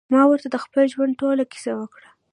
ما ورته د خپل ژوند ټوله کيسه وکړه.